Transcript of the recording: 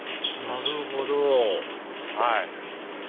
なるほどはい。